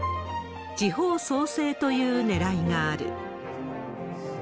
地方創生というねらいがある。